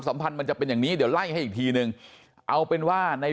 สัมพันธ์มันจะเป็นอย่างนี้เดี๋ยวไล่ให้อีกทีนึงเอาเป็นว่าใน